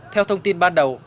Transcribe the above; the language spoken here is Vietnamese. theo thông tin ban đầu